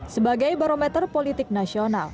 sebagai barometer politik nasional